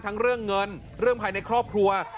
เรื่องเงินเรื่องภายในครอบครัว